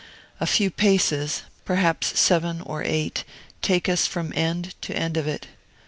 A few paces perhaps seven or eight take us from end to end of it.